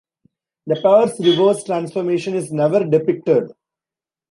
The pair's reverse transformation is never depicted.